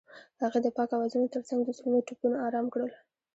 هغې د پاک اوازونو ترڅنګ د زړونو ټپونه آرام کړل.